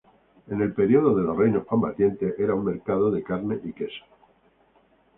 En el período de los Reinos combatientes, era un mercado de carne y quesos.